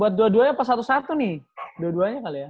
dua duanya apa satu satu nih dua duanya kali ya